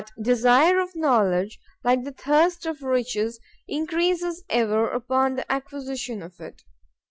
But desire of knowledge, like the thirst of riches, increases ever with the acquisition of it.